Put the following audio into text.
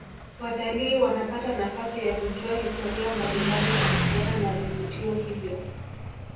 watalii wanapata nafasi ya kujua historia mbalimbali kuhusiana na vivutio hivyo